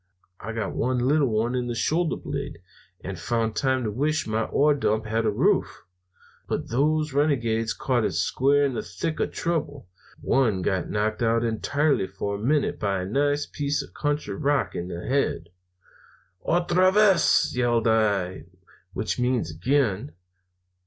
I got one little one in the shoulder blade, and found time to wish my ore dump had a roof. But those renegades caught it square in the thick of trouble. One got knocked out entirely for a minute, by a nice piece of country rock in the head. "'Otra vez!' yells I, which means 'again.'